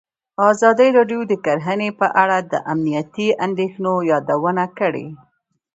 ازادي راډیو د کرهنه په اړه د امنیتي اندېښنو یادونه کړې.